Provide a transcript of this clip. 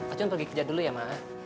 acun pergi kerja dulu ya mah